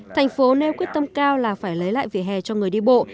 thành phố nêu quyết tâm cao là phải lấy lại vỉa hè cho người đi bộ